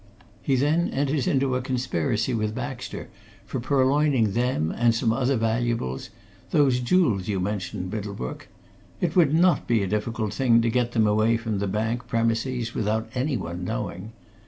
He then enters into a conspiracy with Baxter for purloining them and some other valuables those jewels you mentioned, Middlebrook. It would not be a difficult thing to get them away from the bank premises without anyone knowing.